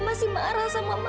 masih marah sama mama pak